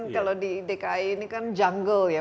kalau di dki ini kan jungle ya